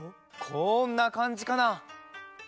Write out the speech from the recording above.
こんなかんじかな？